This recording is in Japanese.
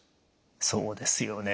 そうですよね。